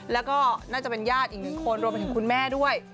แล้วก็น่าจะเป็นญาติอีกหนึ่งคนรวมไปถึงคุณแม่ด้วย